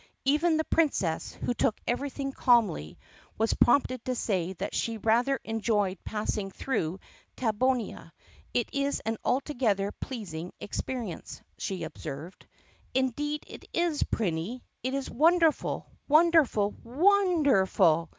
Even the Princess, who took everything calmly, was prompted to say that she rather enjoyed passing through Tab bonia. "It is an altogether pleasing experience," she observed. "Indeed it is, Prinny! It is wonderful, wonderful , WON DERFUL!"